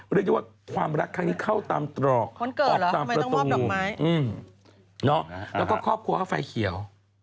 เรียกได้ว่าความรักครั้งนี้เข้าตามตรอกออกตามประตูแล้วก็ครอบครัวก็ไฟเขียว